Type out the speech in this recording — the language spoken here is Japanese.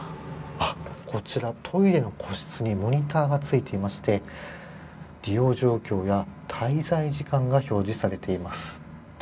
あっ、こちら、トイレの個室にモニターがついていまして利用状況や滞在時間が表示されています。